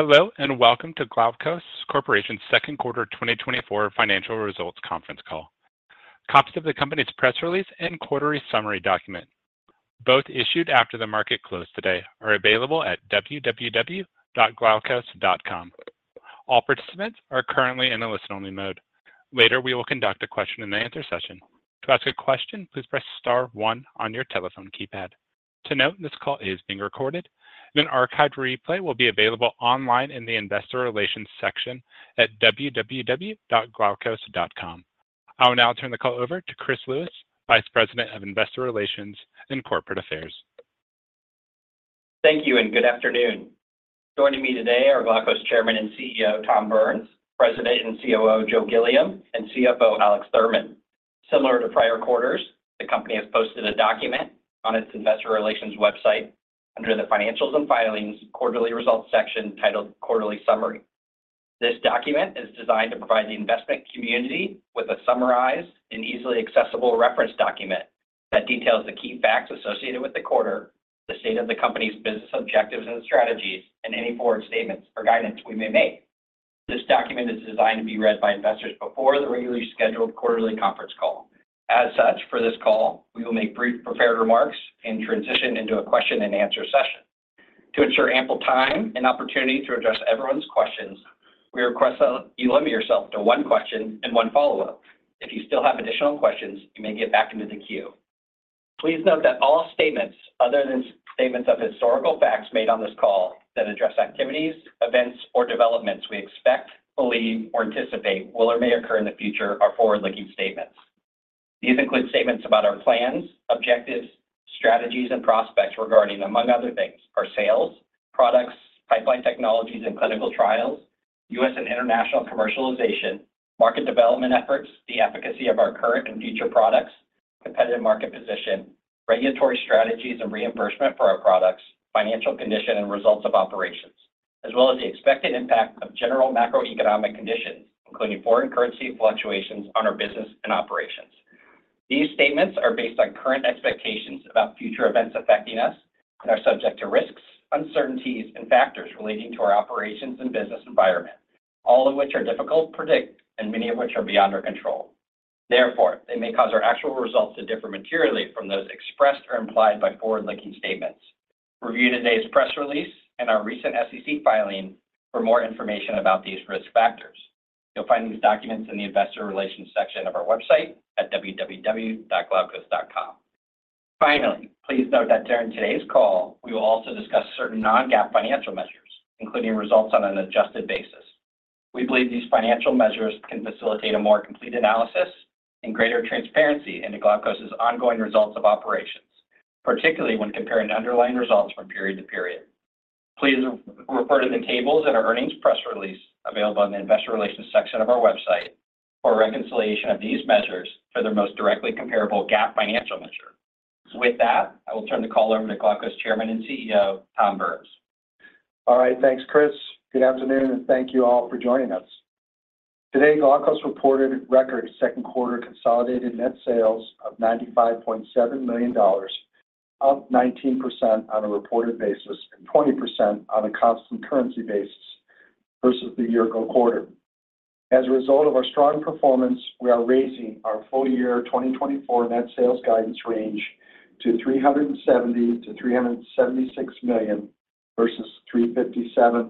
Hello and welcome to Glaukos Corporation's second quarter 2024 financial results conference call. Copies of the company's press release and quarterly summary document, both issued after the market closed today, are available at www.glaukos.com. All participants are currently in a listen-only mode. Later, we will conduct a question-and-answer session. To ask a question, please press star one on your telephone keypad. To note, this call is being recorded, and an archived replay will be available online in the investor relations section at www.glaukos.com. I will now turn the call over to Chris Lewis, Vice President of Investor Relations and Corporate Affairs. Thank you and good afternoon. Joining me today are Glaukos Chairman and CEO Tom Burns, President and COO Joe Gilliam, and CFO Alex Thurman. Similar to prior quarters, the company has posted a document on its investor relations website under the financials and filings quarterly results section titled Quarterly Summary. This document is designed to provide the investment community with a summarized and easily accessible reference document that details the key facts associated with the quarter, the state of the company's business objectives and strategies, and any forward statements or guidance we may make. This document is designed to be read by investors before the regularly scheduled quarterly conference call. As such, for this call, we will make brief prepared remarks and transition into a question-and-answer session. To ensure ample time and opportunity to address everyone's questions, we request that you limit yourself to one question and one follow-up. If you still have additional questions, you may get back into the queue. Please note that all statements other than statements of historical facts made on this call that address activities, events, or developments we expect, believe, or anticipate will or may occur in the future are forward-looking statements. These include statements about our plans, objectives, strategies, and prospects regarding, among other things, our sales, products, pipeline technologies, and clinical trials, U.S. and international commercialization, market development efforts, the efficacy of our current and future products, competitive market position, regulatory strategies and reimbursement for our products, financial condition, and results of operations, as well as the expected impact of general macroeconomic conditions, including foreign currency fluctuations on our business and operations. These statements are based on current expectations about future events affecting us and are subject to risks, uncertainties, and factors relating to our operations and business environment, all of which are difficult to predict and many of which are beyond our control. Therefore, they may cause our actual results to differ materially from those expressed or implied by forward-looking statements. Review today's press release and our recent SEC filing for more information about these risk factors. You'll find these documents in the investor relations section of our website at www.glaukos.com. Finally, please note that during today's call, we will also discuss certain non-GAAP financial measures, including results on an adjusted basis. We believe these financial measures can facilitate a more complete analysis and greater transparency into Glaukos's ongoing results of operations, particularly when comparing underlying results from period-to-period. Please refer to the tables in our earnings press release available in the investor relations section of our website for reconciliation of these measures for the most directly comparable GAAP financial measure. With that, I will turn the call over to Glaukos Chairman and CEO Tom Burns. All right, thanks Chris. Good afternoon and thank you all for joining us. Today, Glaukos reported record second quarter consolidated net sales of $95.7 million, up 19% on a reported basis and 20% on a constant currency basis versus the year-ago quarter. As a result of our strong performance, we are raising our full year 2024 net sales guidance range to $370 million-$376 million versus $357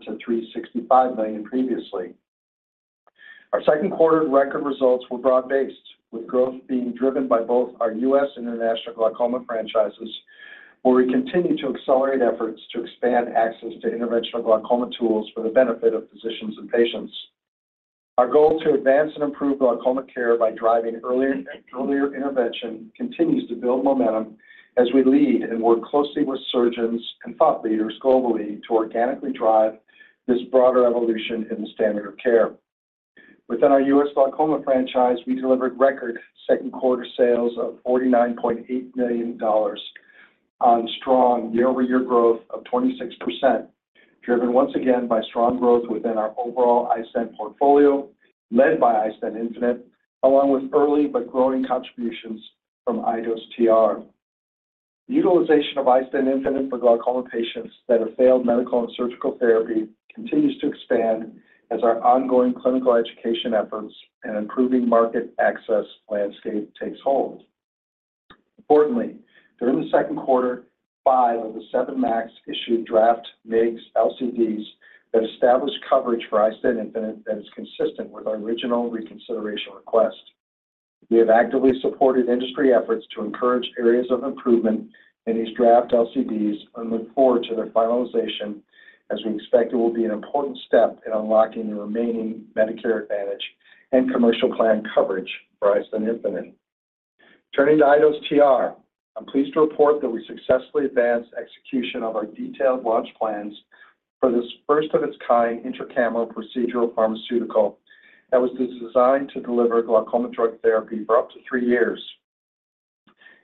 million-$365 million previously. Our second quarter record results were broad-based, with growth being driven by both our U.S. and international glaucoma franchises, where we continue to accelerate efforts to expand access to interventional glaucoma tools for the benefit of physicians and patients. Our goal to advance and improve glaucoma care by driving earlier intervention continues to build momentum as we lead and work closely with surgeons and thought leaders globally to organically drive this broader evolution in the standard of care. Within our U.S. glaucoma franchise, we delivered record second quarter sales of $49.8 million on strong year-over-year growth of 26%, driven once again by strong growth within our overall iStent portfolio led by iStent infinite, along with early but growing contributions from iDose TR. Utilization of iStent infinite for glaucoma patients that have failed medical and surgical therapy continues to expand as our ongoing clinical education efforts and improving market access landscape takes hold. Importantly, during the second quarter, five of the seven MACs issued draft MIGS LCDs that established coverage for iStent infinite that is consistent with our original reconsideration request. We have actively supported industry efforts to encourage areas of improvement in these draft LCDs and look forward to their finalization as we expect it will be an important step in unlocking the remaining Medicare Advantage and Commercial Plan coverage for iStent infinite. Turning to iDose TR, I'm pleased to report that we successfully advanced execution of our detailed launch plans for this first-of-its-kind intracameral procedural pharmaceutical that was designed to deliver glaucoma drug therapy for up to three years.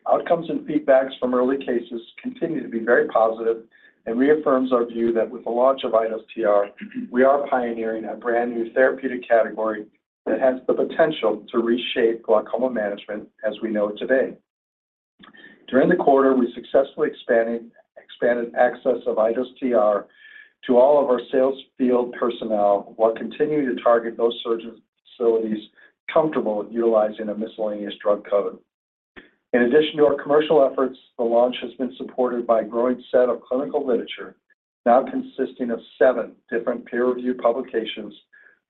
Outcomes and feedbacks from early cases continue to be very positive and reaffirm our view that with the launch of iDose TR, we are pioneering a brand new therapeutic category that has the potential to reshape glaucoma management as we know it today. During the quarter, we successfully expanded access of iDose TR to all of our sales field personnel while continuing to target those surgeons and facilities comfortable utilizing a miscellaneous drug code. In addition to our commercial efforts, the launch has been supported by a growing set of clinical literature now consisting of seven different peer-reviewed publications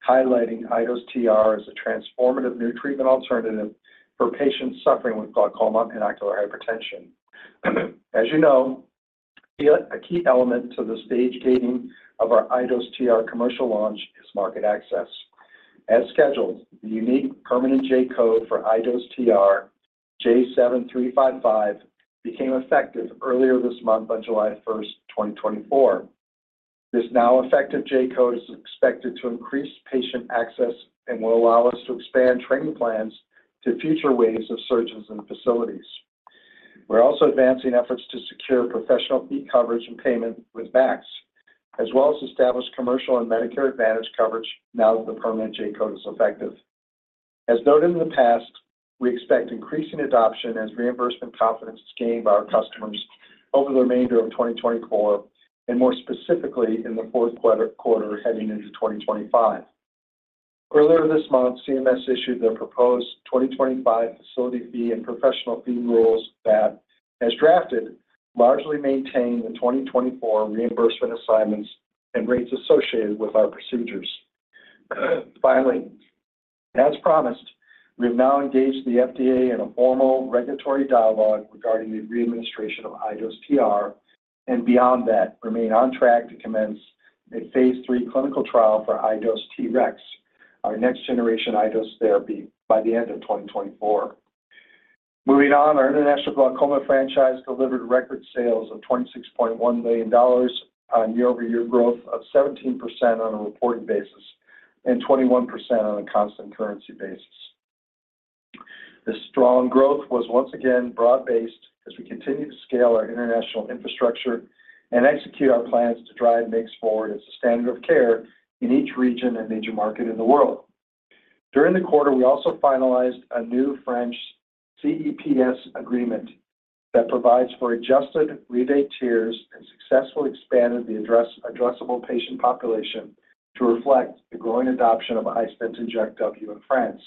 highlighting iDose TR as a transformative new treatment alternative for patients suffering with glaucoma and ocular hypertension. As you know, a key element to the stage gating of our iDose TR commercial launch is market access. As scheduled, the unique permanent J-code for iDose TR, J7355, became effective earlier this month on July 1, 2024. This now effective J-code is expected to increase patient access and will allow us to expand training plans to future waves of surgeons and facilities. We're also advancing efforts to secure professional fee coverage and payment with MACs, as well as establish commercial and Medicare Advantage coverage now that the permanent J-code is effective. As noted in the past, we expect increasing adoption as reimbursement confidence is gained by our customers over the remainder of 2024, and more specifically in the fourth quarter heading into 2025. Earlier this month, CMS issued their proposed 2025 facility fee and professional fee rules that, as drafted, largely maintain the 2024 reimbursement assignments and rates associated with our procedures. Finally, as promised, we have now engaged the FDA in a formal regulatory dialogue regarding the readministration of iDose TR and beyond that, remain on track to commence a phase three clinical trial for iDose TREX, our next generation iDose therapy, by the end of 2024. Moving on, our international glaucoma franchise delivered record sales of $26.1 million on year-over-year growth of 17% on a reported basis and 21% on a constant currency basis. This strong growth was once again broad-based as we continue to scale our international infrastructure and execute our plans to drive MIGS forward as a standard of care in each region and major market in the world. During the quarter, we also finalized a new French CEPS agreement that provides for adjusted rebate tiers and successfully expanded the addressable patient population to reflect the growing adoption of iStent inject W in France.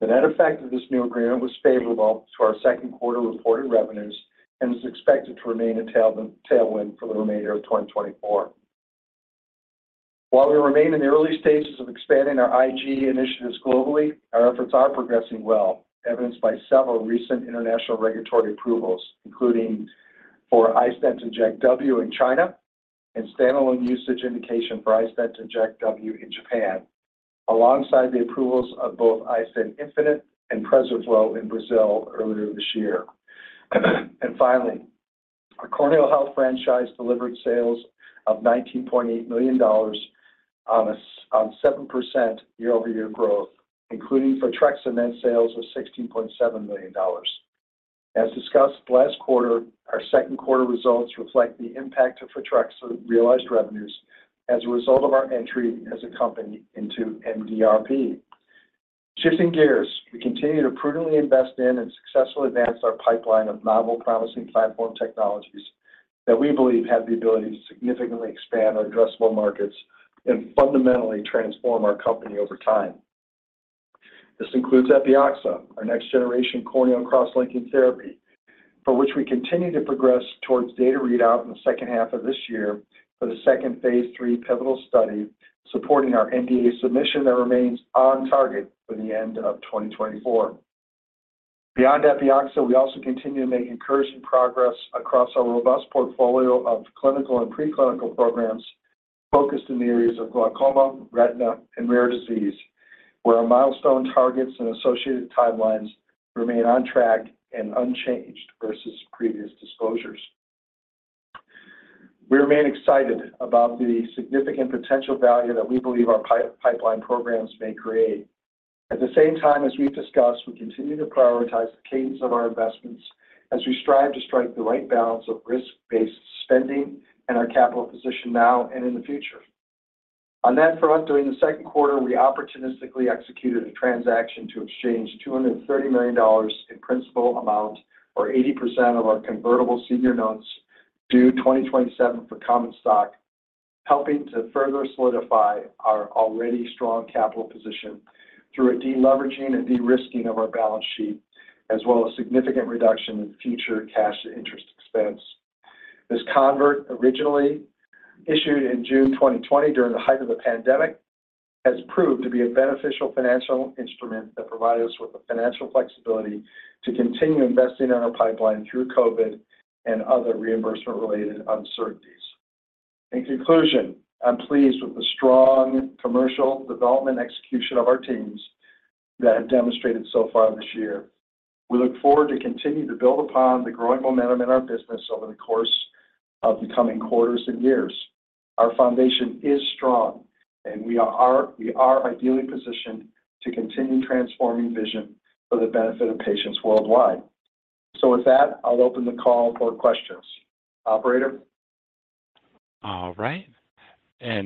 The net effect of this new agreement was favorable to our second quarter reported revenues and is expected to remain a tailwind for the remainder of 2024. While we remain in the early stages of expanding our IG initiatives globally, our efforts are progressing well, evidenced by several recent international regulatory approvals, including for iStent inject W in China and standalone usage indication for iStent inject W in Japan, alongside the approvals of both iStent infinite and PRESERFLO in Brazil earlier this year. Finally, our corneal health franchise delivered sales of $19.8 million on 7% year-over-year growth, including PHOTREXA's net sales of $16.7 million. As discussed last quarter, our second quarter results reflect the impact of PHOTREXA's realized revenues as a result of our entry as a company into MDRP. Shifting gears, we continue to prudently invest in and successfully advance our pipeline of novel, promising platform technologies that we believe have the ability to significantly expand our addressable markets and fundamentally transform our company over time. This includes Epioxa, our next generation corneal cross-linking therapy, for which we continue to progress towards data readout in the second half of this year for the second phase III pivotal study supporting our NDA submission that remains on target for the end of 2024. Beyond Epioxa, we also continue to make encouraging progress across our robust portfolio of clinical and preclinical programs focused in the areas of glaucoma, retina, and rare disease, where our milestone targets and associated timelines remain on track and unchanged versus previous disclosures. We remain excited about the significant potential value that we believe our pipeline programs may create. At the same time as we've discussed, we continue to prioritize the cadence of our investments as we strive to strike the right balance of risk-based spending and our capital position now and in the future. On that front, during the second quarter, we opportunistically executed a transaction to exchange $230 million in principal amount, or 80% of our convertible senior notes due 2027 for common stock, helping to further solidify our already strong capital position through a deleveraging and de-risking of our balance sheet, as well as significant reduction in future cash to interest expense. This convert, originally issued in June 2020 during the height of the pandemic, has proved to be a beneficial financial instrument that provided us with the financial flexibility to continue investing in our pipeline through COVID and other reimbursement-related uncertainties. In conclusion, I'm pleased with the strong commercial development execution of our teams that have demonstrated so far this year. We look forward to continuing to build upon the growing momentum in our business over the course of the coming quarters and years. Our foundation is strong, and we are ideally positioned to continue transforming vision for the benefit of patients worldwide. So with that, I'll open the call for questions. Operator. All right.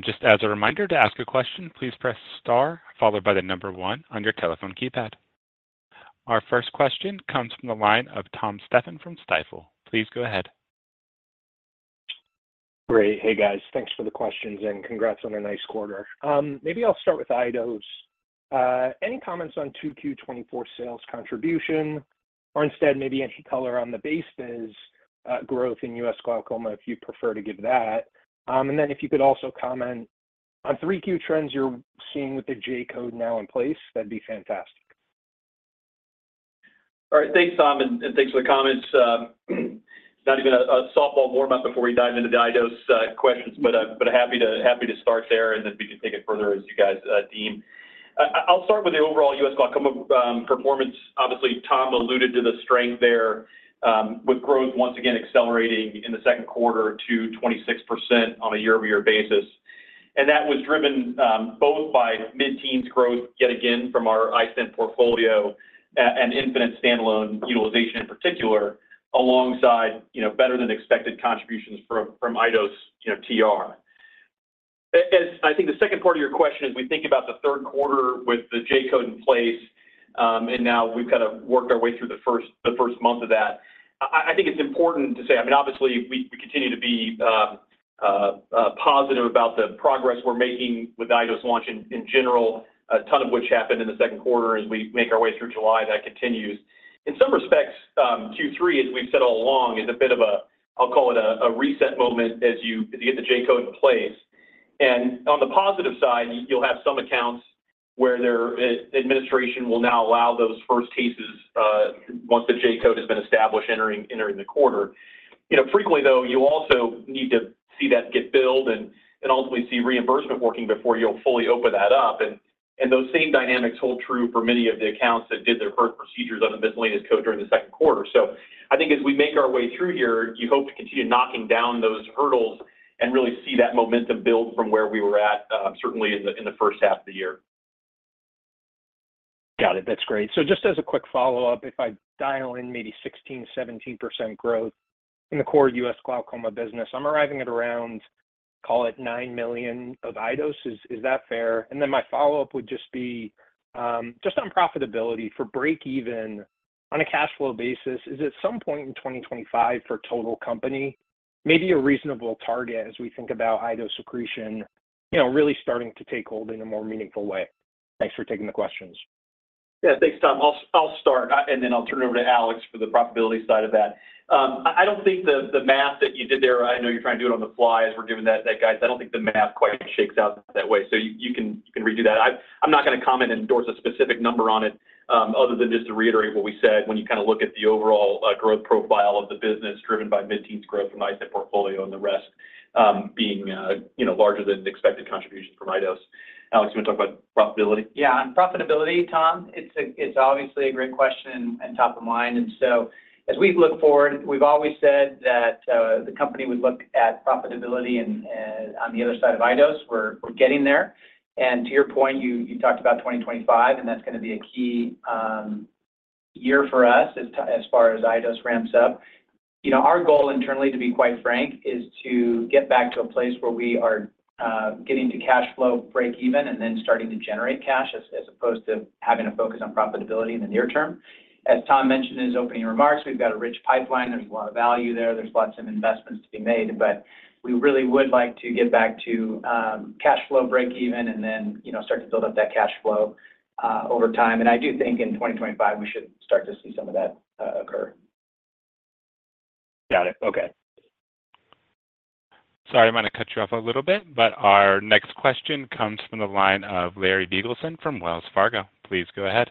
Just as a reminder to ask a question, please press star followed by one on your telephone keypad. Our first question comes from the line of Tom Stephan from Stifel. Please go ahead. Great. Hey, guys. Thanks for the questions and congrats on a nice quarter. Maybe I'll start with iDose. Any comments on Q2 2024 sales contribution, or instead maybe any color on the base biz growth in U.S. glaucoma, if you'd prefer to give that? And then if you could also comment on Q3 trends you're seeing with the J-code now in place, that'd be fantastic. All right. Thanks, Tom, and thanks for the comments. Not even a softball warm-up before we dive into the iDose questions, but I'm happy to start there and then we can take it further as you guys deem. I'll start with the overall U.S. glaucoma performance. Obviously, Tom alluded to the strength there with growth once again accelerating in the second quarter to 26% on a year-over-year basis. That was driven both by mid-teens growth yet again from our iStent portfolio and iStent infinite standalone utilization in particular, alongside better-than-expected contributions from iDose TR. I think the second part of your question is we think about the third quarter with the J-code in place, and now we've kind of worked our way through the first month of that. I think it's important to say, I mean, obviously, we continue to be positive about the progress we're making with iDose launch in general, a ton of which happened in the second quarter as we make our way through July. That continues. In some respects, Q3, as we've said all along, is a bit of a, I'll call it a reset moment as you get the J-code in place. And on the positive side, you'll have some accounts where the administration will now allow those first cases once the J-code has been established entering the quarter. Frequently, though, you also need to see that get billed and ultimately see reimbursement working before you'll fully open that up. And those same dynamics hold true for many of the accounts that did their first procedures under miscellaneous code during the second quarter. So I think as we make our way through here, you hope to continue knocking down those hurdles and really see that momentum build from where we were at, certainly in the first half of the year. Got it. That's great. So just as a quick follow-up, if I dial in maybe 16%-17% growth in the core U.S. glaucoma business, I'm arriving at around, call it, $9 million of iDose. Is that fair? And then my follow-up would just be just on profitability for break-even on a cash flow basis. Is, at some point in 2025 for total company, maybe a reasonable target as we think about iDose accretion really starting to take hold in a more meaningful way? Thanks for taking the questions. Yeah. Thanks, Tom. I'll start, and then I'll turn it over to Alex for the profitability side of that. I don't think the math that you did there, I know you're trying to do it on the fly as we're giving that to guys. I don't think the math quite shakes out that way. So you can redo that. I'm not going to comment and endorse a specific number on it other than just to reiterate what we said when you kind of look at the overall growth profile of the business driven by mid-teens growth from iStent portfolio and the rest being larger than expected contributions from iDose. Alex, you want to talk about profitability? Yeah. On profitability, Tom, it's obviously a great question and top of mind. And so as we look forward, we've always said that the company would look at profitability on the other side of iDose. We're getting there. And to your point, you talked about 2025, and that's going to be a key year for us as far as iDose ramps up. Our goal internally, to be quite frank, is to get back to a place where we are getting to cash flow break-even and then starting to generate cash as opposed to having to focus on profitability in the near-term. As Tom mentioned in his opening remarks, we've got a rich pipeline. There's a lot of value there. There's lots of investments to be made, but we really would like to get back to cash flow break-even and then start to build up that cash flow over time. I do think in 2025, we should start to see some of that occur. Got it. Okay. Sorry, I'm going to cut you off a little bit, but our next question comes from the line of Larry Biegelsen from Wells Fargo. Please go ahead.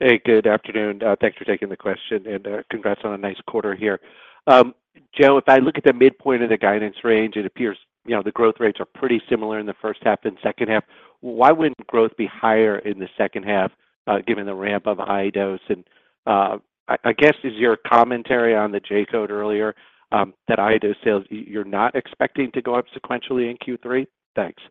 Hey, good afternoon. Thanks for taking the question, and congrats on a nice quarter here. Joe, if I look at the midpoint of the guidance range, it appears the growth rates are pretty similar in the first half and second half. Why wouldn't growth be higher in the second half given the ramp of iDose? And I guess, is your commentary on the J-code earlier that iDose sales, you're not expecting to go up sequentially in Q3? Thanks.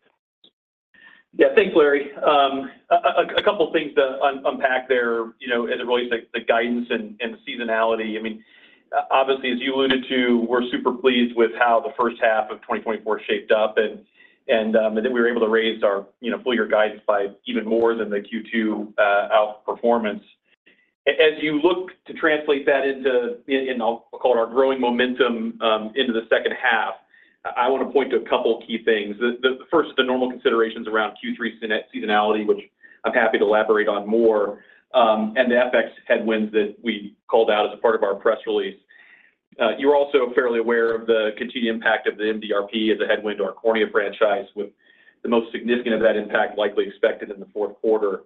Yeah. Thanks, Larry. A couple of things to unpack there as it relates to the guidance and seasonality. I mean, obviously, as you alluded to, we're super pleased with how the first half of 2024 shaped up, and I think we were able to raise our full-year guidance by even more than the Q2 outperformance. As you look to translate that into, I'll call it our growing momentum into the second half, I want to point to a couple of key things. First, the normal considerations around Q3 seasonality, which I'm happy to elaborate on more, and the FX headwinds that we called out as a part of our press release. You're also fairly aware of the continued impact of the MDRP as a headwind to our cornea franchise, with the most significant of that impact likely expected in the fourth quarter.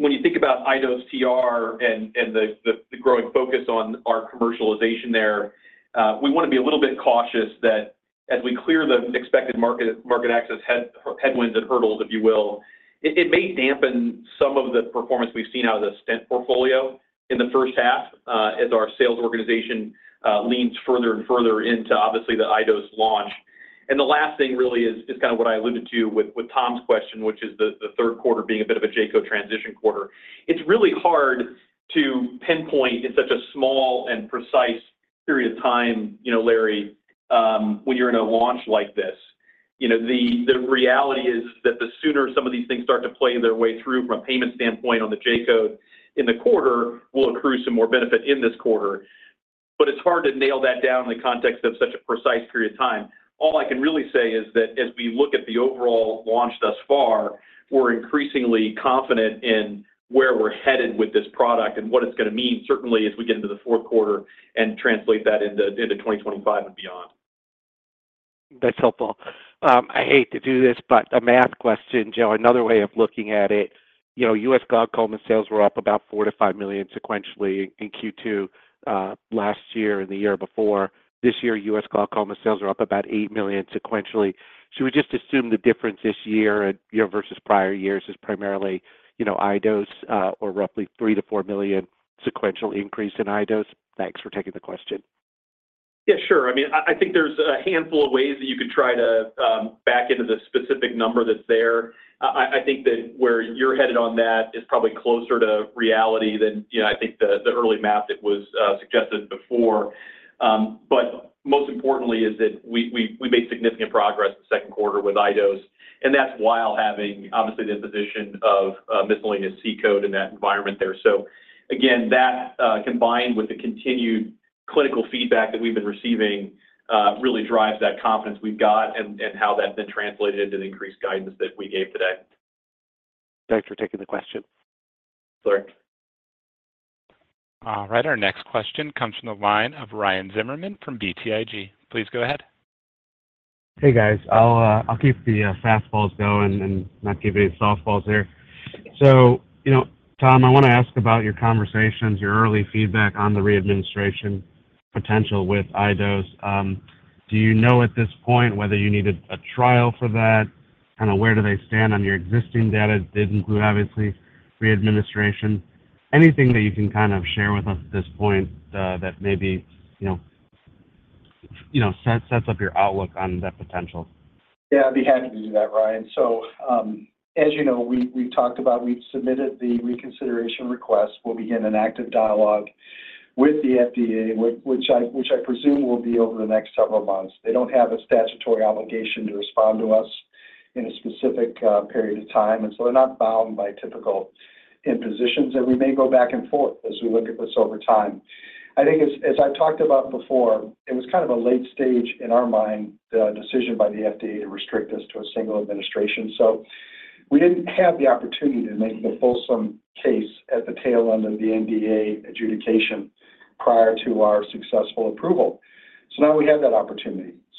When you think about iDose TR and the growing focus on our commercialization there, we want to be a little bit cautious that as we clear the expected market access headwinds and hurdles, if you will, it may dampen some of the performance we've seen out of the iStent portfolio in the first half as our sales organization leans further and further into, obviously, the iDose launch. And the last thing really is kind of what I alluded to with Tom's question, which is the third quarter being a bit of a J-code transition quarter. It's really hard to pinpoint in such a small and precise period of time, Larry, when you're in a launch like this. The reality is that the sooner some of these things start to play their way through from a payment standpoint on the J-code in the quarter will accrue some more benefit in this quarter. But it's hard to nail that down in the context of such a precise period of time. All I can really say is that as we look at the overall launch thus far, we're increasingly confident in where we're headed with this product and what it's going to mean, certainly, as we get into the fourth quarter and translate that into 2025 and beyond. That's helpful. I hate to do this, but a math question, Joe. Another way of looking at it, U.S. glaucoma sales were up about $4 million-$5 million sequentially in Q2 last year and the year before. This year, U.S. glaucoma sales are up about $8 million sequentially. Should we just assume the difference this year versus prior years is primarily iDose or roughly $3 million-$4 million sequential increase in iDose? Thanks for taking the question. Yeah, sure. I mean, I think there's a handful of ways that you could try to back into the specific number that's there. I think that where you're headed on that is probably closer to reality than I think the early math that was suggested before. But most importantly is that we made significant progress the second quarter with iDose, and that's while having, obviously, the imposition of miscellaneous C-code in that environment there. So again, that combined with the continued clinical feedback that we've been receiving really drives that confidence we've got and how that's been translated into the increased guidance that we gave today. Thanks for taking the question. All right. All right. Our next question comes from the line of Ryan Zimmerman from BTIG. Please go ahead. Hey, guys. I'll keep the fastballs going and not give any softballs here. So Tom, I want to ask about your conversations, your early feedback on the readministration potential with iDose. Do you know at this point whether you needed a trial for that? Kind of where do they stand on your existing data? It did include, obviously, readministration. Anything that you can kind of share with us at this point that maybe sets up your outlook on that potential? Yeah. I'd be happy to do that, Ryan. So as you know, we've submitted the reconsideration request. We'll begin an active dialogue with the FDA, which I presume will be over the next several months. They don't have a statutory obligation to respond to us in a specific period of time, and so they're not bound by typical impositions. And we may go back and forth as we look at this over time. I think as I've talked about before, it was kind of a late stage in our mind, the decision by the FDA to restrict us to a single administration. So we didn't have the opportunity to make the fulsome case at the tail end of the NDA adjudication prior to our successful approval.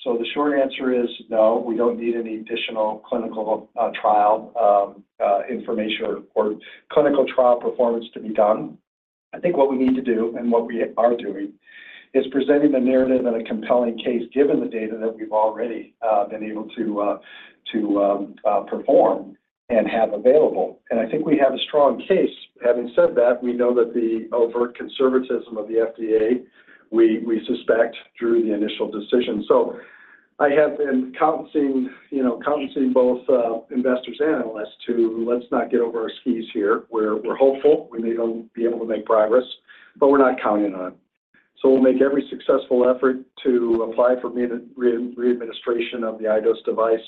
So the short answer is no. We don't need any additional clinical trial information or clinical trial performance to be done. I think what we need to do and what we are doing is presenting the narrative and a compelling case given the data that we've already been able to perform and have available. I think we have a strong case. Having said that, we know that the overt conservatism of the FDA, we suspect, drew the initial decision. So I have been counseling both investors and analysts to let's not get over our skis here. We're hopeful we may be able to make progress, but we're not counting on it. So we'll make every successful effort to apply for resubmission of the iDose device.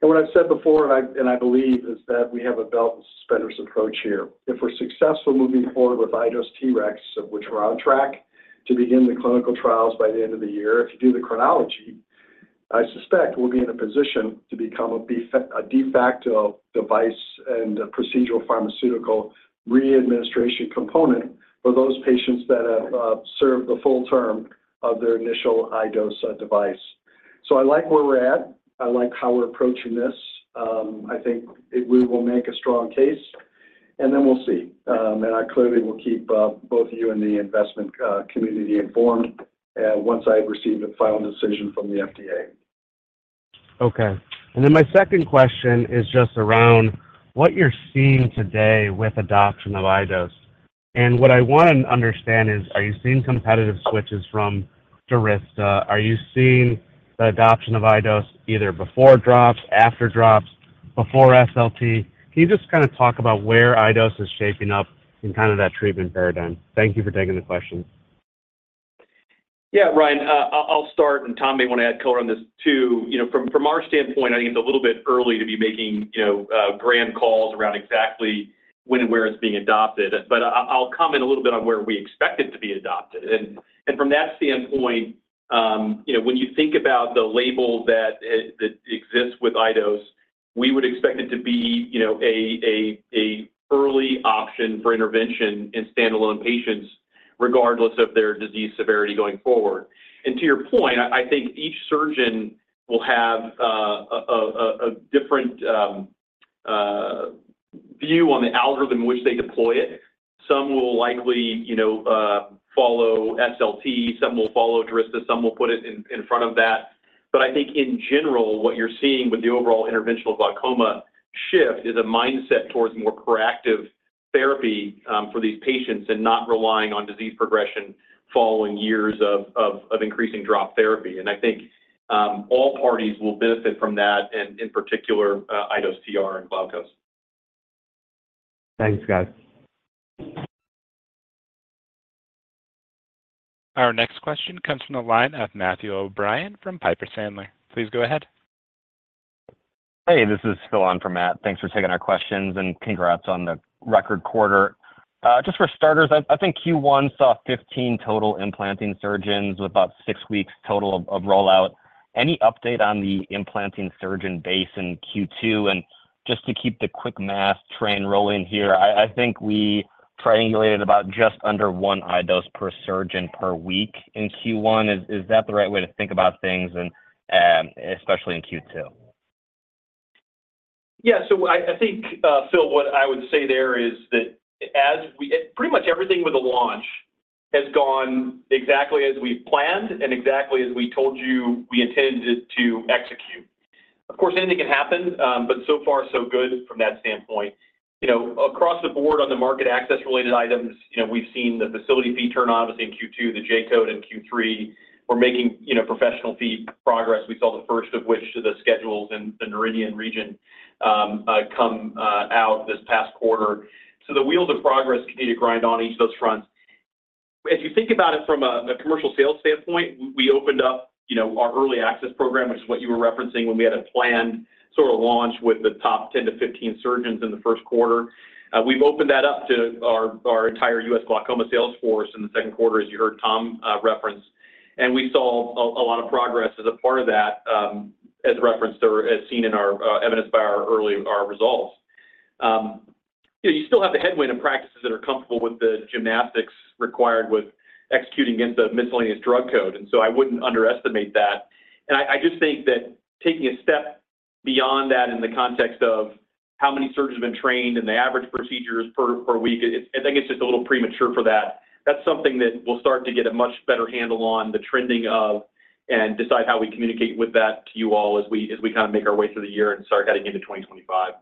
What I've said before, and I believe, is that we have a belt and suspenders approach here. If we're successful moving forward with iDose TREX, which we're on track to begin the clinical trials by the end of the year, if you do the chronology, I suspect we'll be in a position to become a de facto device and a procedural pharmaceutical readministration component for those patients that have served the full term of their initial iDose device. So I like where we're at. I like how we're approaching this. I think we will make a strong case, and then we'll see. And I clearly will keep both you and the investment community informed once I have received a final decision from the FDA. Okay. And then my second question is just around what you're seeing today with adoption of iDose. And what I want to understand is, are you seeing competitive switches from DURYSTA? Are you seeing the adoption of iDose either before drops, after drops, before SLT? Can you just kind of talk about where iDose is shaping up in kind of that treatment paradigm? Thank you for taking the question. Yeah, Ryan, I'll start, and Tom may want to add color on this too. From our standpoint, I think it's a little bit early to be making grand calls around exactly when and where it's being adopted, but I'll comment a little bit on where we expect it to be adopted. And from that standpoint, when you think about the label that exists with iDose, we would expect it to be an early option for intervention in standalone patients regardless of their disease severity going forward. And to your point, I think each surgeon will have a different view on the algorithm in which they deploy it. Some will likely follow SLT. Some will follow DURYSTA. Some will put it in front of that. But I think in general, what you're seeing with the overall interventional glaucoma shift is a mindset towards more proactive therapy for these patients and not relying on disease progression following years of increasing drop therapy. And I think all parties will benefit from that, and in particular, iDose TR and Glaukos. Thanks, guys. Our next question comes from the line of Matthew O'Brien from Piper Sandler. Please go ahead. Hey, this is Phil on from Matt. Thanks for taking our questions, and congrats on the record quarter. Just for starters, I think Q1 saw 15 total implanting surgeons with about six weeks total of rollout. Any update on the implanting surgeon base in Q2? And just to keep the quick math train rolling here, I think we triangulated about just under one iDose per surgeon per week in Q1. Is that the right way to think about things, especially in Q2? Yeah. So I think, Phil, what I would say there is that pretty much everything with the launch has gone exactly as we planned and exactly as we told you we intended to execute. Of course, anything can happen, but so far, so good from that standpoint. Across the board on the market access-related items, we've seen the facility fee turn, obviously in Q2, the J-code, and Q3. We're making professional fee progress. We saw the first of which, the schedules in the Noridian region, come out this past quarter. So the wheels of progress continue to grind on each of those fronts. As you think about it from a commercial sales standpoint, we opened up our early access program, which is what you were referencing when we had a planned sort of launch with the top 10 to 15 surgeons in the first quarter. We've opened that up to our entire U.S. glaucoma sales force in the second quarter, as you heard Tom reference. We saw a lot of progress as a part of that, as referenced or as seen in our evidence by our results. You still have the headwind of practices that are comfortable with the gymnastics required with executing against the miscellaneous drug code. So I wouldn't underestimate that. I just think that taking a step beyond that in the context of how many surgeons have been trained in the average procedures per week, I think it's just a little premature for that. That's something that we'll start to get a much better handle on the trending of and decide how we communicate with that to you all as we kind of make our way through the year and start heading into 2025.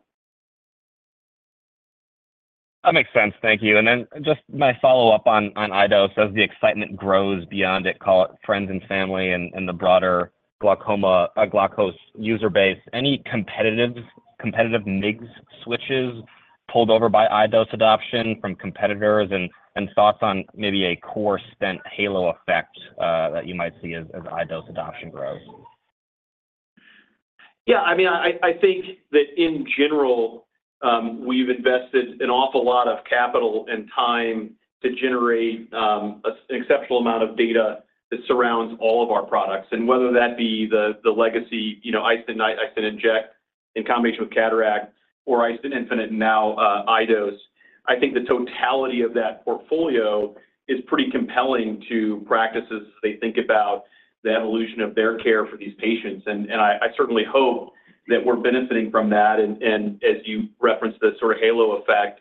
That makes sense. Thank you. And then just my follow-up on iDose, as the excitement grows beyond it, call it friends and family and the broader Glaukos user base, any competitive MIGS switches pulled over by iDose adoption from competitors and thoughts on maybe a core stent halo effect that you might see as iDose adoption grows? Yeah. I mean, I think that in general, we've invested an awful lot of capital and time to generate an exceptional amount of data that surrounds all of our products. And whether that be the legacy iStent, iStent Inject in combination with cataract, or iStent infinite and now iDose, I think the totality of that portfolio is pretty compelling to practices as they think about the evolution of their care for these patients. And I certainly hope that we're benefiting from that. And as you referenced the sort of halo effect,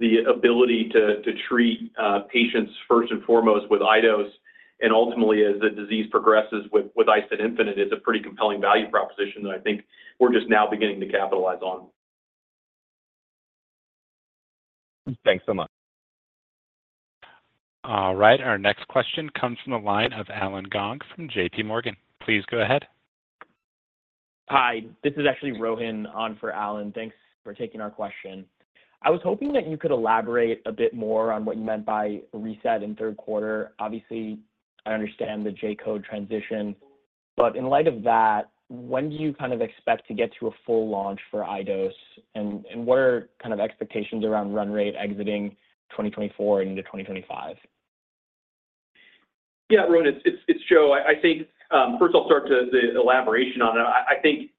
the ability to treat patients first and foremost with iDose and ultimately as the disease progresses with iStent infinite is a pretty compelling value proposition that I think we're just now beginning to capitalize on. Thanks so much. All right. Our next question comes from the line of Allen Gong from JPMorgan. Please go ahead. Hi. This is actually Rohan on for Allen. Thanks for taking our question. I was hoping that you could elaborate a bit more on what you meant by reset in third quarter. Obviously, I understand the J-code transition, but in light of that, when do you kind of expect to get to a full launch for iDose? And what are kind of expectations around run rate exiting 2024 into 2025? Yeah, Rohan, it's Joe. I think, first, I'll start the elaboration on it. I think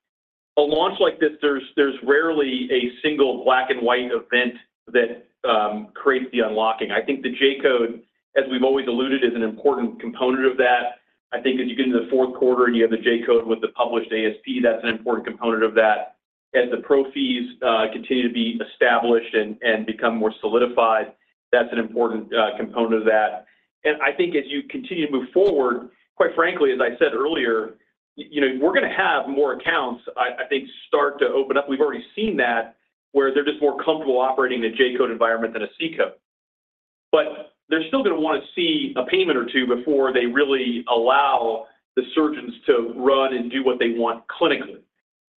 a launch like this, there's rarely a single black-and-white event that creates the unlocking. I think the J-code, as we've always alluded, is an important component of that. I think as you get into the fourth quarter and you have the J-code with the published ASP, that's an important component of that. As the pro fees continue to be established and become more solidified, that's an important component of that. And I think as you continue to move forward, quite frankly, as I said earlier, we're going to have more accounts, I think, start to open up. We've already seen that where they're just more comfortable operating in a J-code environment than a C-code. But they're still going to want to see a payment or two before they really allow the surgeons to run and do what they want clinically.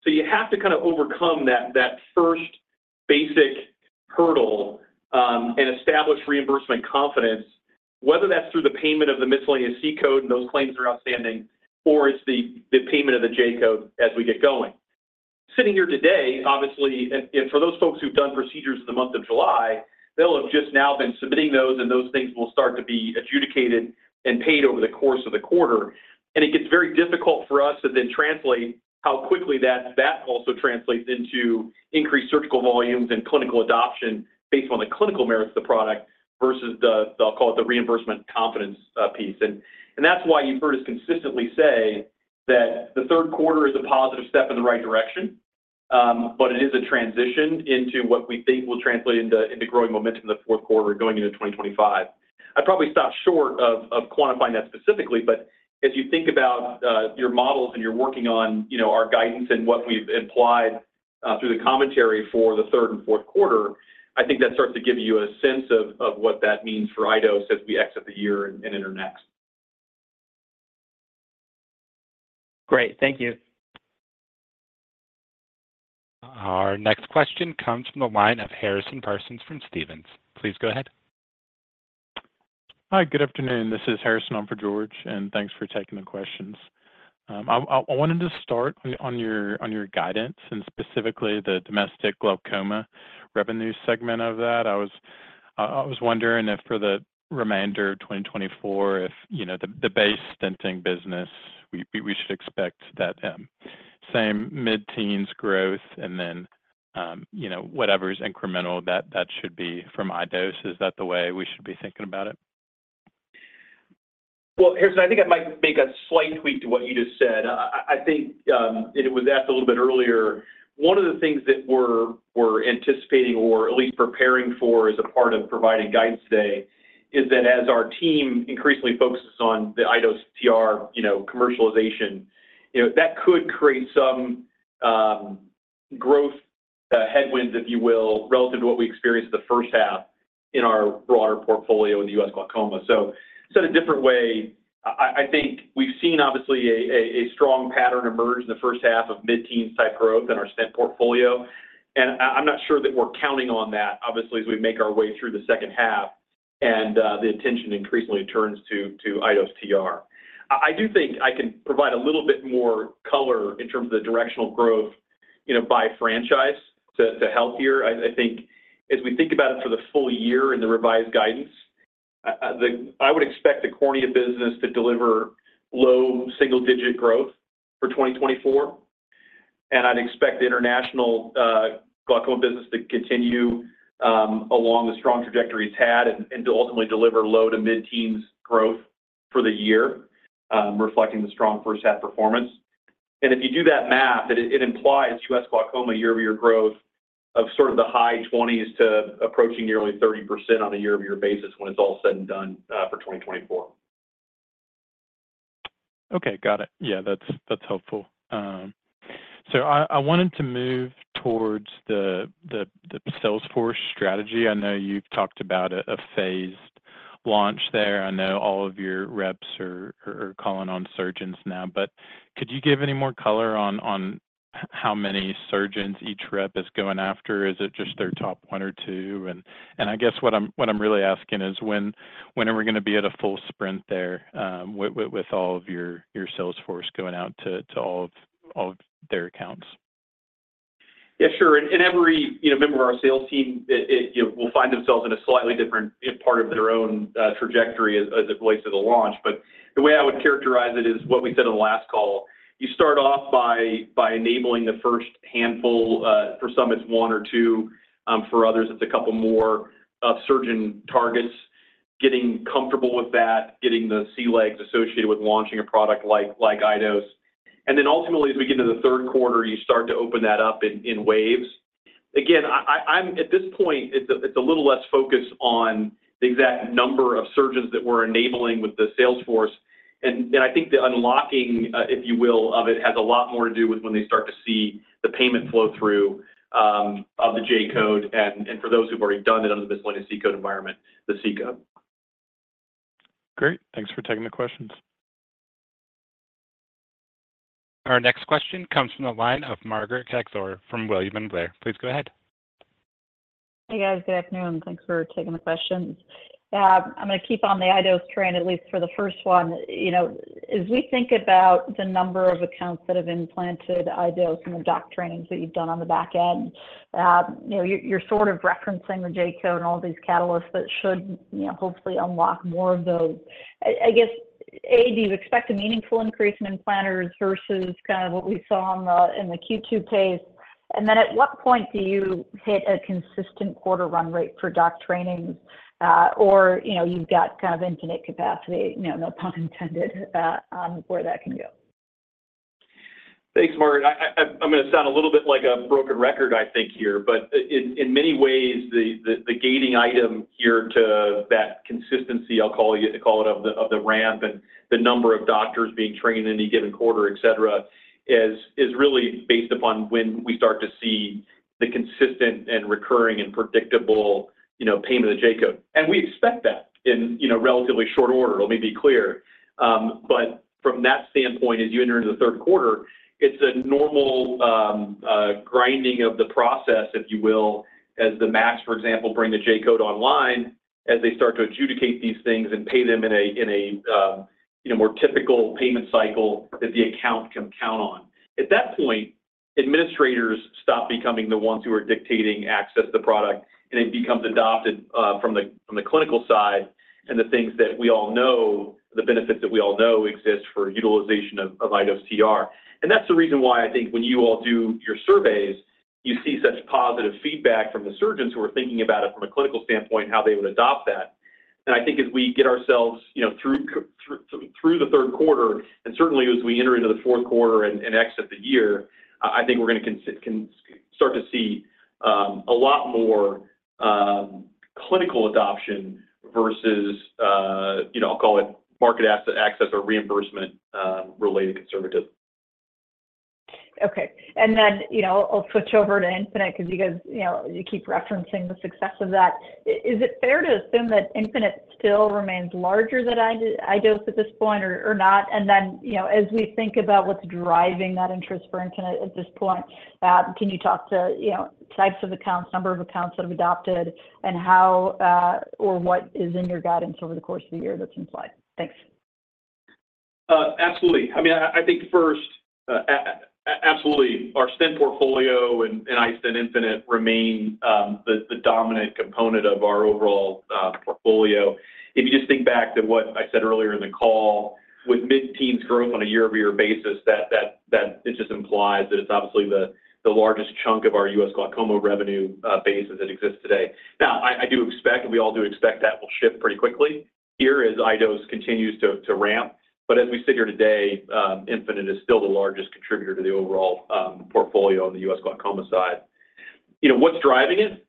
So you have to kind of overcome that first basic hurdle and establish reimbursement confidence, whether that's through the payment of the miscellaneous C-code and those claims that are outstanding, or it's the payment of the J-code as we get going. Sitting here today, obviously, for those folks who've done procedures in the month of July, they'll have just now been submitting those, and those things will start to be adjudicated and paid over the course of the quarter. And it gets very difficult for us to then translate how quickly that also translates into increased surgical volumes and clinical adoption based on the clinical merits of the product versus the, I'll call it, the reimbursement confidence piece. And that's why you've heard us consistently say that the third quarter is a positive step in the right direction, but it is a transition into what we think will translate into growing momentum in the fourth quarter going into 2025. I'd probably stop short of quantifying that specifically, but as you think about your models and you're working on our guidance and what we've implied through the commentary for the third and fourth quarter, I think that starts to give you a sense of what that means for iDose as we exit the year and enter next. Great. Thank you. Our next question comes from the line of Harrison Parsons from Stephens. Please go ahead. Hi, good afternoon. This is Harrison on for George, and thanks for taking the questions. I wanted to start on your guidance and specifically the domestic glaucoma revenue segment of that. I was wondering if for the remainder of 2024, if the base stenting business, we should expect that same mid-teens growth and then whatever's incremental that should be from iDose. Is that the way we should be thinking about it? Well, Harrison, I think I might make a slight tweak to what you just said. I think, and it was asked a little bit earlier, one of the things that we're anticipating or at least preparing for as a part of providing guidance today is that as our team increasingly focuses on the iDose TR commercialization, that could create some growth headwinds, if you will, relative to what we experienced the first half in our broader portfolio in the U.S. glaucoma. So said a different way, I think we've seen obviously a strong pattern emerge in the first half of mid-teens type growth in our iStent portfolio. And I'm not sure that we're counting on that, obviously, as we make our way through the second half and the attention increasingly turns to iDose TR. I do think I can provide a little bit more color in terms of the directional growth by franchise to help here. I think as we think about it for the full year in the revised guidance, I would expect the cornea business to deliver low single-digit growth for 2024. I'd expect the international glaucoma business to continue along the strong trajectory it's had and to ultimately deliver low- to mid-teens growth for the year, reflecting the strong first-half performance. If you do that math, it implies U.S. glaucoma year-over-year growth of sort of the high-20s to approaching nearly 30% on a year-over-year basis when it's all said and done for 2024. Okay. Got it. Yeah, that's helpful. So I wanted to move towards the sales force strategy. I know you've talked about a phased launch there. I know all of your reps are calling on surgeons now, but could you give any more color on how many surgeons each rep is going after? Is it just their top one or two? And I guess what I'm really asking is, when are we going to be at a full sprint there with all of your sales force going out to all of their accounts? Yeah, sure. And every member of our sales team will find themselves in a slightly different part of their own trajectory as it relates to the launch. But the way I would characterize it is what we said in the last call. You start off by enabling the first handful. For some, it's one or two. For others, it's a couple more surgeon targets, getting comfortable with that, getting the sea legs associated with launching a product like iDose. And then ultimately, as we get into the third quarter, you start to open that up in waves. Again, at this point, it's a little less focused on the exact number of surgeons that we're enabling with the sales force. I think the unlocking, if you will, of it has a lot more to do with when they start to see the payment flow through of the J-code and for those who've already done it under the miscellaneous C-code environment, the C-code. Great. Thanks for taking the questions. Our next question comes from the line of Margaret Kaczor from William Blair. Please go ahead. Hey, guys. Good afternoon. Thanks for taking the questions. I'm going to keep on the iDose train, at least for the first one. As we think about the number of accounts that have implanted iDose and the doc trainings that you've done on the back end, you're sort of referencing the J-code and all these catalysts that should hopefully unlock more of those. I guess, A, do you expect a meaningful increase in implanters versus kind of what we saw in the Q2 pace? And then at what point do you hit a consistent quarter run rate for doc trainings? Or you've got kind of infinite capacity, no pun intended, where that can go? Thanks, Margaret. I'm going to sound a little bit like a broken record, I think, here, but in many ways, the gating item here to that consistency, I'll call it, of the ramp and the number of doctors being trained in any given quarter, etc., is really based upon when we start to see the consistent and recurring and predictable payment of the J-code. And we expect that in relatively short order. Let me be clear. But from that standpoint, as you enter into the third quarter, it's a normal grinding of the process, if you will, as the MACs, for example, bring the J-code online as they start to adjudicate these things and pay them in a more typical payment cycle that the account can count on. At that point, administrators stop becoming the ones who are dictating access to the product, and it becomes adopted from the clinical side and the things that we all know, the benefits that we all know exist for utilization of iDose TR. That's the reason why I think when you all do your surveys, you see such positive feedback from the surgeons who are thinking about it from a clinical standpoint, how they would adopt that. I think as we get ourselves through the third quarter, and certainly as we enter into the fourth quarter and exit the year, I think we're going to start to see a lot more clinical adoption versus, I'll call it, market access or reimbursement-related conservative. Okay. And then I'll switch over to Infinite because you guys keep referencing the success of that. Is it fair to assume that Infinite still remains larger than iDose at this point or not? And then as we think about what's driving that interest for Infinite at this point, can you talk to types of accounts, number of accounts that have adopted, and how or what is in your guidance over the course of the year that's in play? Thanks. Absolutely. I mean, I think first, absolutely, our iStent portfolio and iStent infinite remain the dominant component of our overall portfolio. If you just think back to what I said earlier in the call, with mid-teens growth on a year-over-year basis, that just implies that it's obviously the largest chunk of our U.S. glaucoma revenue basis that exists today. Now, I do expect, and we all do expect that will shift pretty quickly here as iDose continues to ramp. But as we sit here today, Infinite is still the largest contributor to the overall portfolio on the U.S. glaucoma side. What's driving it?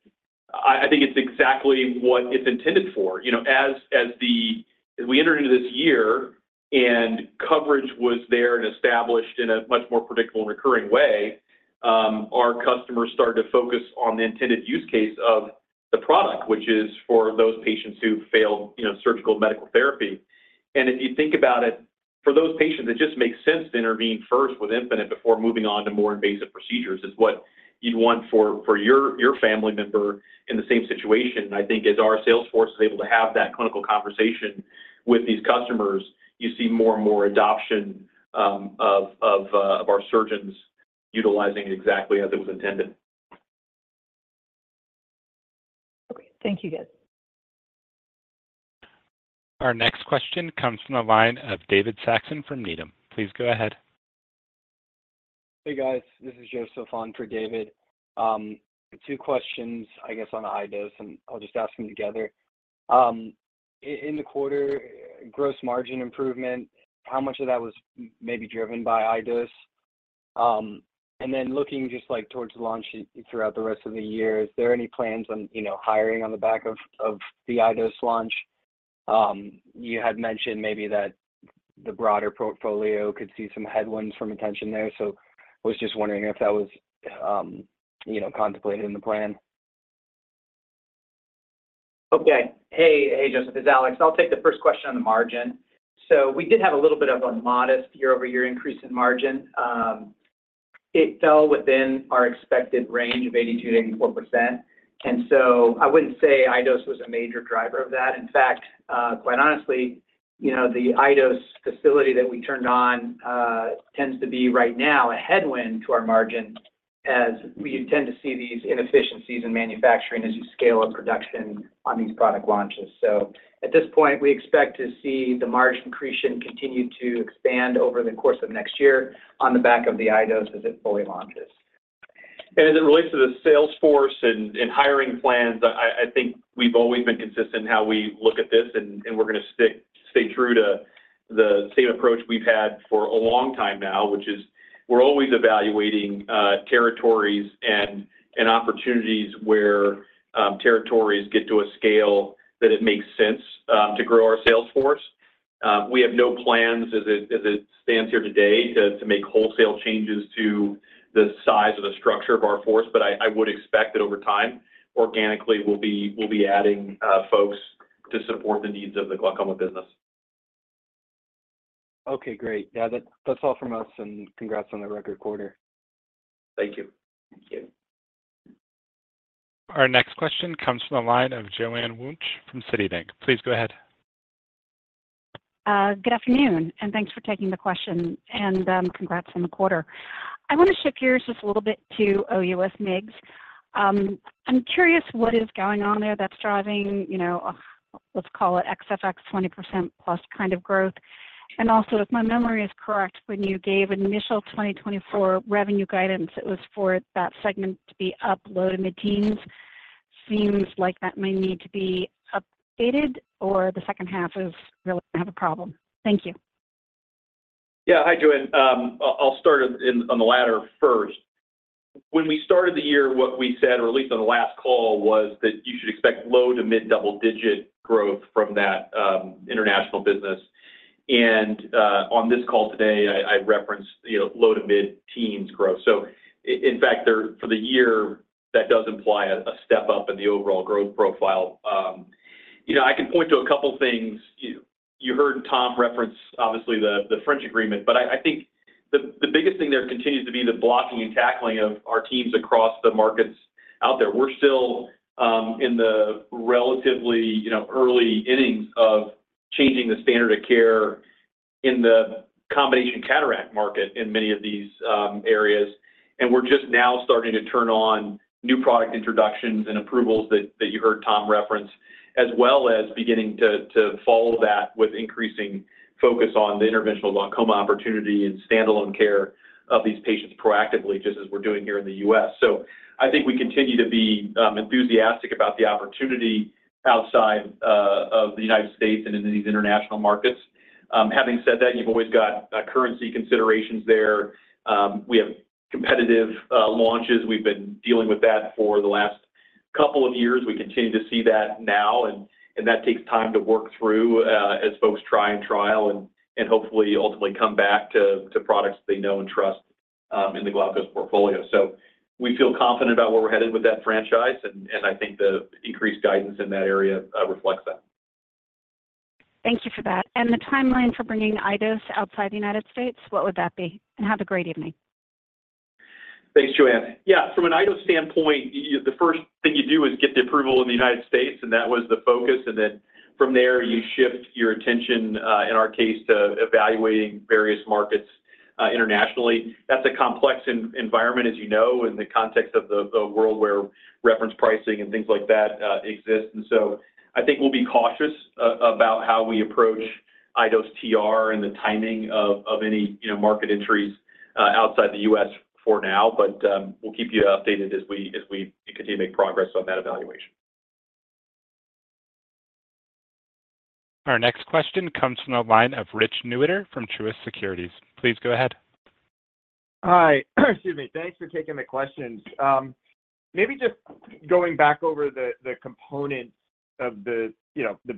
I think it's exactly what it's intended for. As we entered into this year and coverage was there and established in a much more predictable and recurring way, our customers started to focus on the intended use case of the product, which is for those patients who failed surgical medical therapy. If you think about it, for those patients, it just makes sense to intervene first with Infinite before moving on to more invasive procedures is what you'd want for your family member in the same situation. I think as our sales force is able to have that clinical conversation with these customers, you see more and more adoption of our surgeons utilizing it exactly as it was intended. Okay. Thank you, guys. Our next question comes from the line of David Saxon from Needham. Please go ahead. Hey, guys. This is Joseph on for David. Two questions, I guess, on iDose, and I'll just ask them together. In the quarter, gross margin improvement, how much of that was maybe driven by iDose? And then looking just towards the launch throughout the rest of the year, is there any plans on hiring on the back of the iDose launch? You had mentioned maybe that the broader portfolio could see some headwinds from attention there. So I was just wondering if that was contemplated in the plan. Okay. Hey, Joseph. This is Alex. I'll take the first question on the margin. So we did have a little bit of a modest year-over-year increase in margin. It fell within our expected range of 82%-84%. And so I wouldn't say iDose was a major driver of that. In fact, quite honestly, the iDose facility that we turned on tends to be right now a headwind to our margin as we tend to see these inefficiencies in manufacturing as you scale up production on these product launches. So at this point, we expect to see the margin increase continue to expand over the course of next year on the back of the iDose as it fully launches. As it relates to the sales force and hiring plans, I think we've always been consistent in how we look at this, and we're going to stay true to the same approach we've had for a long time now, which is we're always evaluating territories and opportunities where territories get to a scale that it makes sense to grow our sales force. We have no plans as it stands here today to make wholesale changes to the size of the structure of our force, but I would expect that over time, organically, we'll be adding folks to support the needs of the glaucoma business. Okay. Great. Yeah, that's all from us, and congrats on the record quarter. Thank you. Thank you. Our next question comes from the line of Joanne Wuensch from Citibank. Please go ahead. Good afternoon, and thanks for taking the question and congrats on the quarter. I want to shift gears just a little bit to OUS MIGS. I'm curious what is going on there that's driving, let's call it, XFX 20%+ kind of growth. Also, if my memory is correct, when you gave initial 2024 revenue guidance, it was for that segment to be up low- to mid-teens. Seems like that may need to be updated, or the second half is really going to have a problem. Thank you. Yeah. Hi, Joanne. I'll start on the latter first. When we started the year, what we said, or at least on the last call, was that you should expect low- to mid-double-digit growth from that international business. And on this call today, I referenced low- to mid-teens growth. So in fact, for the year, that does imply a step up in the overall growth profile. I can point to a couple of things. You heard Tom reference, obviously, the French agreement, but I think the biggest thing there continues to be the blocking and tackling of our teams across the markets out there. We're still in the relatively early innings of changing the standard of care in the combination cataract market in many of these areas. We're just now starting to turn on new product introductions and approvals that you heard Tom reference, as well as beginning to follow that with increasing focus on the interventional glaucoma opportunity and standalone care of these patients proactively, just as we're doing here in the U.S. So I think we continue to be enthusiastic about the opportunity outside of the United States and into these international markets. Having said that, you've always got currency considerations there. We have competitive launches. We've been dealing with that for the last couple of years. We continue to see that now, and that takes time to work through as folks try and trial and hopefully ultimately come back to products they know and trust in the Glaukos portfolio. So we feel confident about where we're headed with that franchise, and I think the increased guidance in that area reflects that. Thank you for that. And the timeline for bringing iDose outside the United States, what would that be? And have a great evening. Thanks, Joanne. Yeah, from an iDose standpoint, the first thing you do is get the approval in the United States, and that was the focus. And then from there, you shift your attention, in our case, to evaluating various markets internationally. That's a complex environment, as you know, in the context of the world where reference pricing and things like that exist. And so I think we'll be cautious about how we approach iDose TR and the timing of any market entries outside the U.S. for now, but we'll keep you updated as we continue to make progress on that evaluation. Our next question comes from the line of Richard Newitter from Truist Securities. Please go ahead. Hi. Excuse me. Thanks for taking the questions. Maybe just going back over the components of the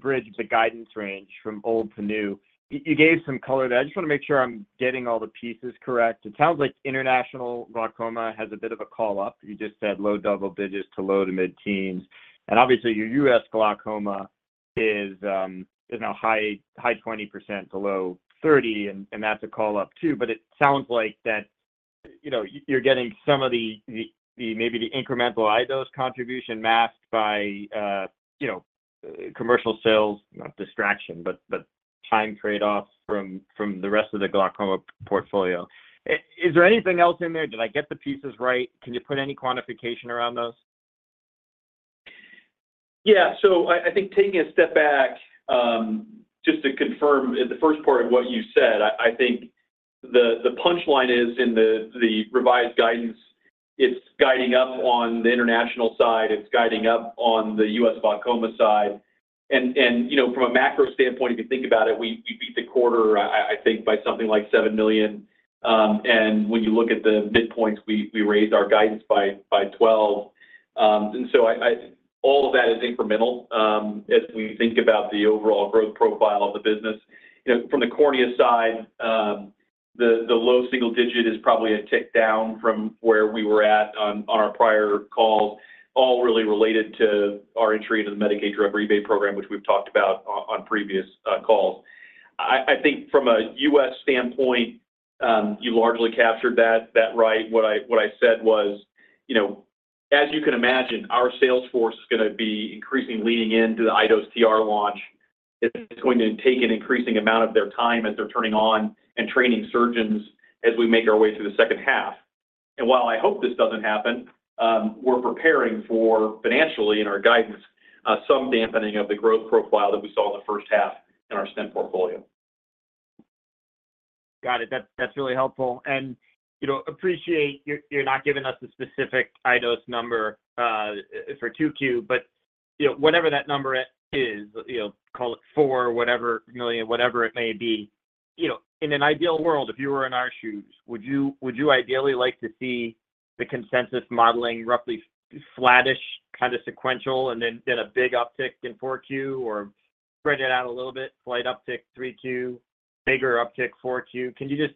bridge, the guidance range from old to new, you gave some color there. I just want to make sure I'm getting all the pieces correct. It sounds like international glaucoma has a bit of a call-up. You just said low double digits% to low-to-mid teens%. And obviously, your U.S. glaucoma is now high 20s% to low 30s%, and that's a call-up too. But it sounds like that you're getting some of the maybe the incremental iDose contribution masked by commercial sales, not distraction, but time trade-off from the rest of the glaucoma portfolio. Is there anything else in there? Did I get the pieces right? Can you put any quantification around those? Yeah. So I think taking a step back just to confirm the first part of what you said, I think the punchline is in the revised guidance. It's guiding up on the international side. It's guiding up on the U.S. glaucoma side. And from a macro standpoint, if you think about it, we beat the quarter, I think, by something like $7 million. And when you look at the midpoint, we raised our guidance by $12 million. And so all of that is incremental as we think about the overall growth profile of the business. From the cornea side, the low single digit is probably a tick down from where we were at on our prior calls, all really related to our entry into the Medicaid Drug Rebate Program, which we've talked about on previous calls. I think from a U.S. standpoint, you largely captured that right. What I said was, as you can imagine, our sales force is going to be increasingly leaning into the iDose TR launch. It's going to take an increasing amount of their time as they're turning on and training surgeons as we make our way through the second half. And while I hope this doesn't happen, we're preparing for financially in our guidance some dampening of the growth profile that we saw in the first half in our iStent portfolio. Got it. That's really helpful. And appreciate you're not giving us a specific iDose number for Q2, but whatever that number is, call it four, whatever it may be. In an ideal world, if you were in our shoes, would you ideally like to see the consensus modeling roughly flattish kind of sequential and then a big uptick in Q4 or spread it out a little bit, slight uptick Q3, bigger uptick Q4? Can you just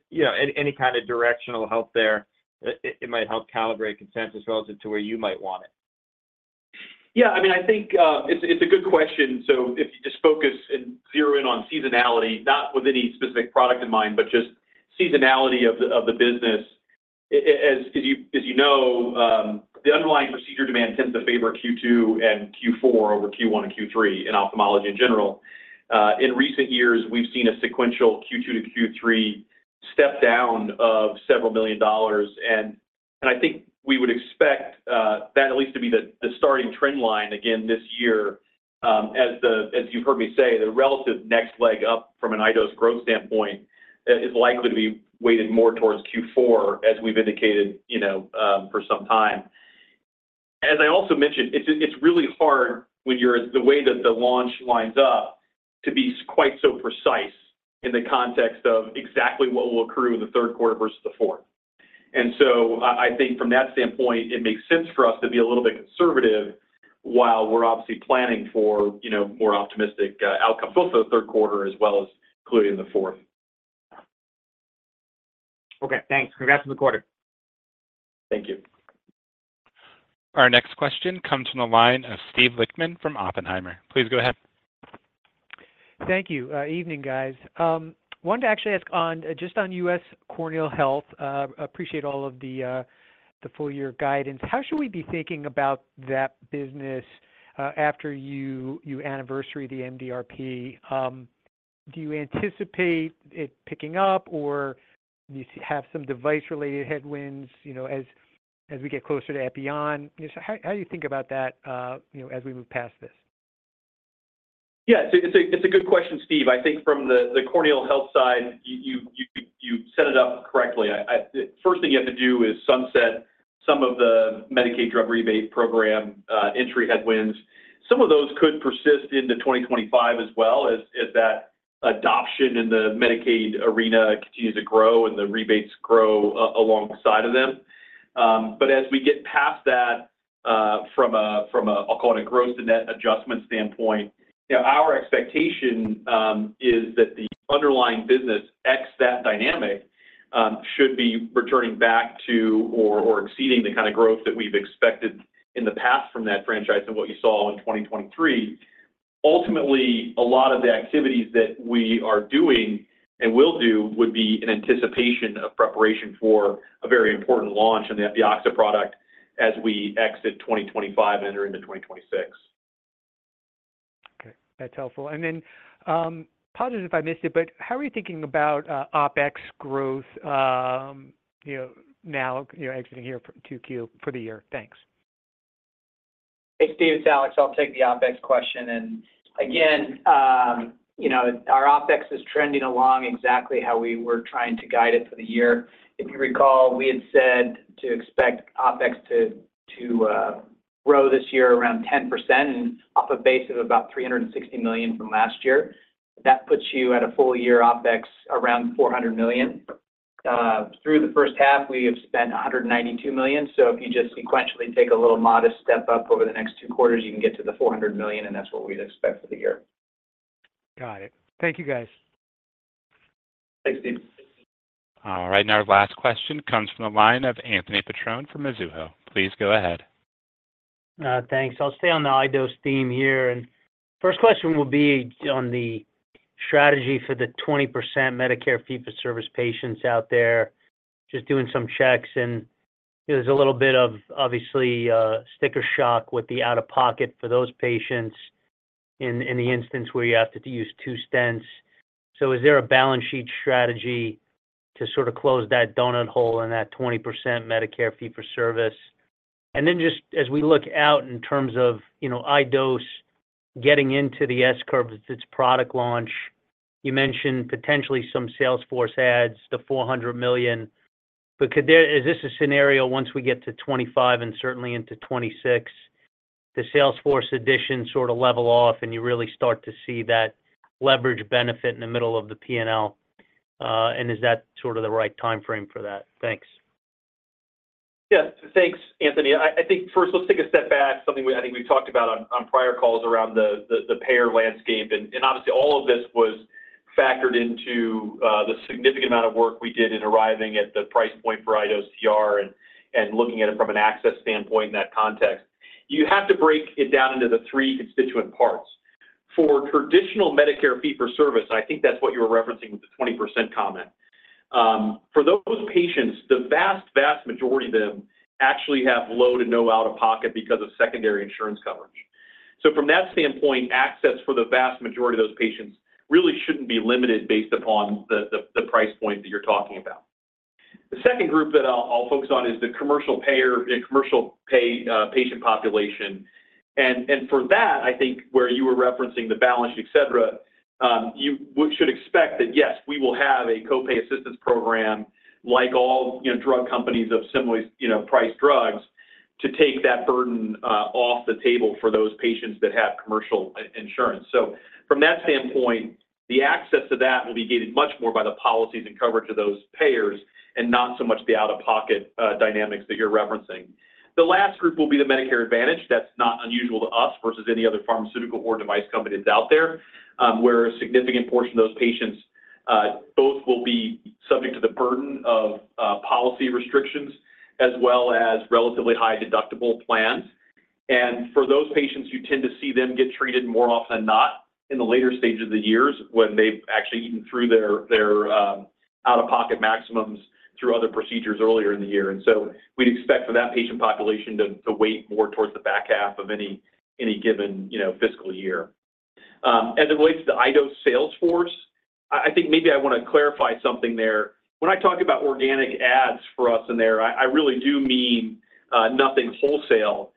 any kind of directional help there? It might help calibrate consensus relative to where you might want it. Yeah. I mean, I think it's a good question. So if you just focus and zero in on seasonality, not with any specific product in mind, but just seasonality of the business. As you know, the underlying procedure demand tends to favor Q2 and Q4 over Q1 and Q3 in ophthalmology in general. In recent years, we've seen a sequential Q2 to Q3 step down of several million dollars. And I think we would expect that at least to be the starting trend line again this year. As you've heard me say, the relative next leg up from an iDOSE growth standpoint is likely to be weighted more towards Q4, as we've indicated for some time. As I also mentioned, it's really hard when you're the way that the launch lines up to be quite so precise in the context of exactly what will accrue in the third quarter versus the fourth. And so I think from that standpoint, it makes sense for us to be a little bit conservative while we're obviously planning for more optimistic outcomes, both for the third quarter as well as including the fourth. Okay. Thanks. Congrats on the quarter. Thank you. Our next question comes from the line of Steve Lichtman from Oppenheimer. Please go ahead. Thank you. Evening, guys. I wanted to actually ask just on U.S. corneal health. Appreciate all of the full year guidance. How should we be thinking about that business after you anniversary the MDRP? Do you anticipate it picking up, or do you have some device-related headwinds as we get closer to Epioxa? How do you think about that as we move past this? Yeah. It's a good question, Steve. I think from the corneal health side, you set it up correctly. The first thing you have to do is sunset some of the Medicaid drug rebate program entry headwinds. Some of those could persist into 2025 as well as that adoption in the Medicaid arena continues to grow and the rebates grow alongside of them. But as we get past that from a, I'll call it a gross to net adjustment standpoint, our expectation is that the underlying business, absent that dynamic, should be returning back to or exceeding the kind of growth that we've expected in the past from that franchise and what you saw in 2023. Ultimately, a lot of the activities that we are doing and will do would be in anticipation of preparation for a very important launch on the Epioxa product as we exit 2025 and enter into 2026. Okay. That's helpful. And then apologies if I missed it, but how are you thinking about OpEx growth now exiting here from Q2 for the year? Thanks. Hey, Steve and Alex, I'll take the OpEx question. And again, our OpEx is trending along exactly how we were trying to guide it for the year. If you recall, we had said to expect OpEx to grow this year around 10% off a base of about $360 million from last year. That puts you at a full year OpEx around $400 million. Through the first half, we have spent $192 million. So if you just sequentially take a little modest step up over the next two quarters, you can get to the $400 million, and that's what we'd expect for the year. Got it. Thank you, guys. Thanks, Steve. All right. Our last question comes from the line of Anthony Petrone from Mizuho. Please go ahead. Thanks. I'll stay on the iDose theme here. First question will be on the strategy for the 20% Medicare fee-for-service patients out there. Just doing some checks, and there's a little bit of, obviously, sticker shock with the out-of-pocket for those patients in the instance where you have to use two stents. So is there a balance sheet strategy to sort of close that donut hole in that 20% Medicare fee-for-service? And then just as we look out in terms of iDose getting into the S curve with its product launch, you mentioned potentially some sales force adds, the $400 million. But is this a scenario once we get to 2025 and certainly into 2026, the sales force edition sort of level off and you really start to see that leverage benefit in the middle of the P&L? And is that sort of the right timeframe for that? Thanks. Yeah. Thanks, Anthony. I think first, let's take a step back. Something I think we've talked about on prior calls around the payer landscape. And obviously, all of this was factored into the significant amount of work we did in arriving at the price point for iDose TR and looking at it from an access standpoint in that context. You have to break it down into the three constituent parts. For traditional Medicare fee-for-service, and I think that's what you were referencing with the 20% comment, for those patients, the vast, vast majority of them actually have low to no out-of-pocket because of secondary insurance coverage. So from that standpoint, access for the vast majority of those patients really shouldn't be limited based upon the price point that you're talking about. The second group that I'll focus on is the commercial payer and commercial pay patient population. For that, I think where you were referencing the balance sheet, etc., you should expect that, yes, we will have a copay assistance program like all drug companies of similarly priced drugs to take that burden off the table for those patients that have commercial insurance. From that standpoint, the access to that will be gated much more by the policies and coverage of those payers and not so much the out-of-pocket dynamics that you're referencing. The last group will be the Medicare Advantage. That's not unusual to us versus any other pharmaceutical or device company that's out there, where a significant portion of those patients both will be subject to the burden of policy restrictions as well as relatively high deductible plans. For those patients, you tend to see them get treated more often than not in the later stages of the years when they've actually eaten through their out-of-pocket maximums through other procedures earlier in the year. So we'd expect for that patient population to wait more towards the back half of any given fiscal year. As it relates to the iDose sales force, I think maybe I want to clarify something there. When I talk about organic adds for us in there, I really do mean nothing wholesale.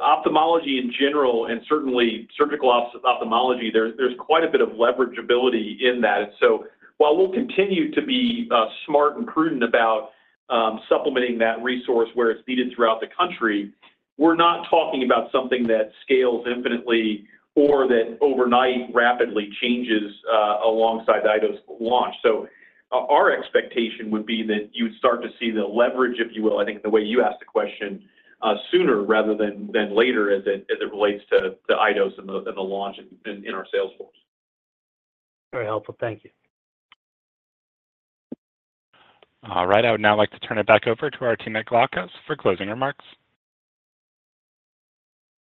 Ophthalmology in general and certainly surgical ophthalmology, there's quite a bit of leverageability in that. So while we'll continue to be smart and prudent about supplementing that resource where it's needed throughout the country, we're not talking about something that scales infinitely or that overnight rapidly changes alongside the iDose launch. So our expectation would be that you would start to see the leverage, if you will, I think the way you asked the question, sooner rather than later as it relates to iDose and the launch in our sales force. Very helpful. Thank you. All right. I would now like to turn it back over to our team at Glaukos for closing remarks.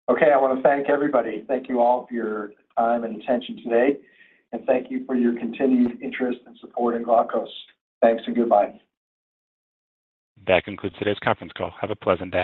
Okay. I want to thank everybody. Thank you all for your time and attention today. Thank you for your continued interest and support in Glaukos. Thanks and goodbye. That concludes today's conference call. Have a pleasant day.